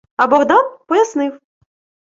А Богдан пояснив: